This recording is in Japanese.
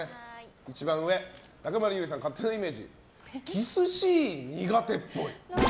一番上中村ゆりさんの勝手なイメージキスシーン苦手っぽい。